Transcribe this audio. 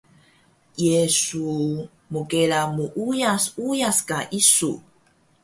Ye su mkela muuyas uyas ka isu?